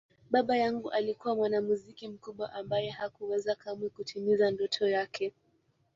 Baba yangu alikuwa mwanamuziki mkubwa ambaye hakuweza kamwe kutimiza ndoto yake.